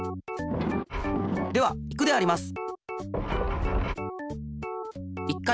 ではいくであります！